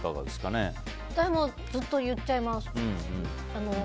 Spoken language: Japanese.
ずっと言っちゃいます。